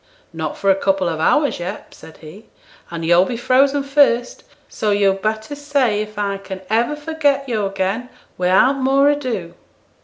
'Not for a couple of hours yet,' said he; 'and yo'll be frozen first; so yo'd better say if I can ever forget yo' again, without more ado.'